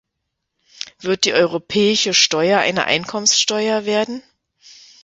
Wird die europäische Steuer eine Einkommensteuer werden?